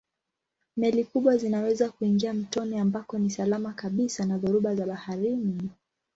Meli kubwa zinaweza kuingia mtoni ambako ni salama kabisa na dhoruba za baharini.